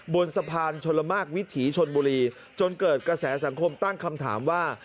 บนสะพานชนละมากวิถีชนบุรีจนเกิดกระแสสังคมตั้งคำถามว่า